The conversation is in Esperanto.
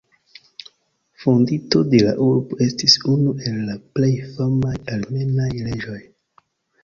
Fondinto de la urbo, estis unu el la plej famaj armenaj reĝoj.